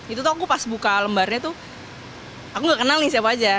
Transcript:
itu tuh aku pas buka lembarnya tuh aku gak kenal nih siapa aja